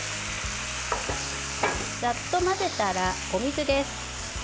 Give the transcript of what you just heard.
ざっと混ぜたらお水です。